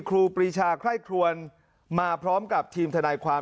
ครูปรีชาไคร่ครวนมาพร้อมกับทีมทนายความ